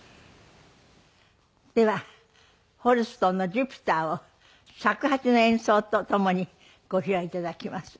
ではホルストの『ジュピター』を尺八の演奏とともにご披露頂きます。